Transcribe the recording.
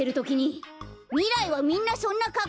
みらいはみんなそんなかっこうなの？